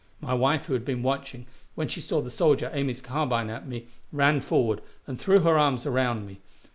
My wife, who had been watching, when she saw the soldier aim his carbine at me, ran forward and threw her arms around me.